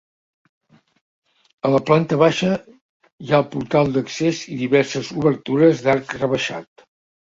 A la planta baixa hi ha el portal d'accés i diverses obertures d'arc rebaixat.